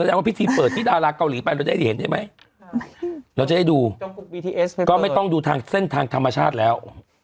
ว่าพิธีเปิดที่ดาราเกาหลีไปเราได้เห็นใช่ไหมเราจะได้ดูก็ไม่ต้องดูทางเส้นทางธรรมชาติแล้ว